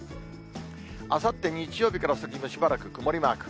あさって日曜日から先もしばらく曇りマーク。